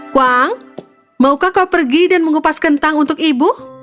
kwang mau kakak pergi dan mengupas kentang untuk ibu